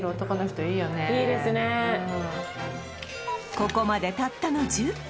ここまでたったの１０分！